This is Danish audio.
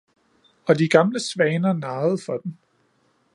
Og de gamle svaner nejede for den